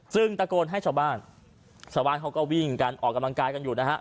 ซึ่งตะโกนให้ชาวบ้านชาวบ้านเขาก็วิ่งกันออกกำลังกายกันอยู่นะฮะ